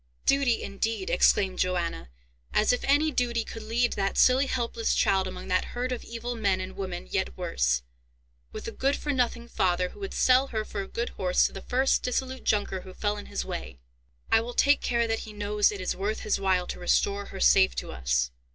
"Duty, indeed!" exclaimed Johanna. "As if any duty could lead that silly helpless child among that herd of evil men, and women yet worse, with a good for nothing father, who would sell her for a good horse to the first dissolute Junker who fell in his way." "I will take care that he knows it is worth his while to restore her safe to us.